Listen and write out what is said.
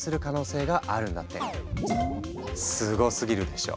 すごすぎるでしょ。